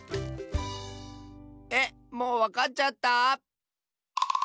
えっもうわかっちゃった？